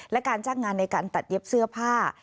และการจ้างงานในการตัดเย็บเสื้อผ้า